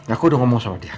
aku udah ngomong sama dia